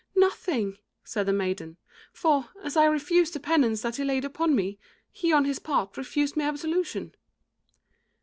"Nothing," said the maiden, "for, as I refused the penance that he laid upon me, he on his part refused me absolution."